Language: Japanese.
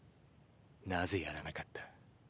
なぜやらなかった？